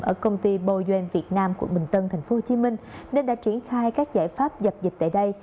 ở công ty boean việt nam quận bình tân tp hcm nên đã triển khai các giải pháp dập dịch tại đây